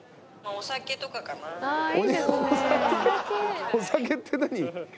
お酒って何？